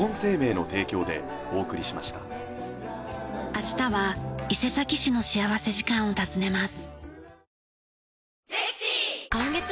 明日は伊勢崎市の幸福時間を訪ねます。